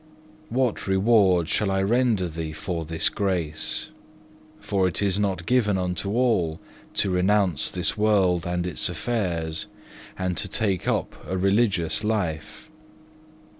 What reward shall I render Thee for this Thy grace? For it is not given unto all to renounce this world and its affairs, and to take up a religious life.